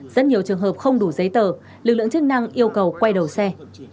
rất nhiều trường hợp không đủ giấy tờ lực lượng chức năng yêu cầu quay đầu xe